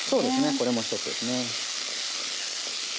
これも一つですね。